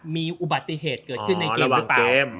มีอุบัติเหตุเกิดขึ้นในเกมหรือเปล่า